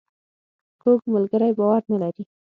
کوږ ملګری باور نه لري